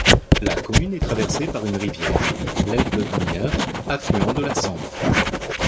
La commune est traversée par une rivière, l'Helpe Mineure, affluent de la Sambre.